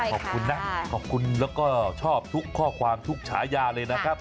ขอบคุณนะขอบคุณแล้วก็ชอบทุกข้อความทุกฉายาเลยนะครับ